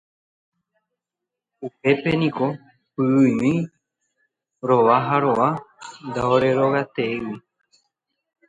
Upépe niko py'ỹimi rova ha rova ndaorerogateéigui.